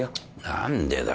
何でだよ。